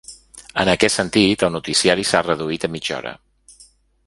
En aquest sentit, el noticiari s’ha reduït a mitja hora.